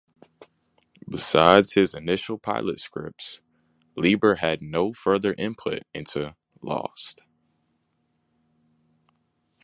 Besides his initial pilot scripts, Lieber has had no further input into "Lost".